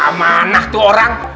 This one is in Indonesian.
gak mana tuh orang